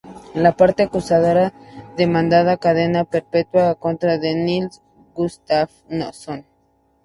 La parte acusadora demandaba cadena perpetua en contra de Nils Gustafsson.